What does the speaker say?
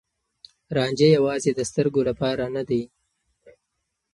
رانجه يوازې د سترګو لپاره نه دی.